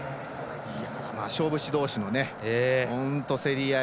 勝負師どうしの競り合い。